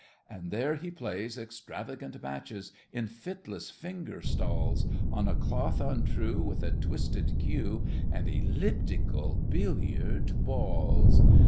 And there he plays extravagant matches In fitless finger stalls On a cloth untrue With a twisted cue And elliptical billiard balls!